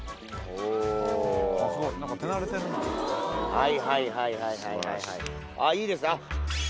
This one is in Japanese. はいはいはいはいはいはいあいいですねあっ